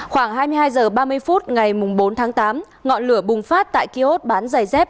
khoảng hai mươi hai h ba mươi phút ngày bốn tháng tám ngọn lửa bùng phát tại kiosk bán giày dép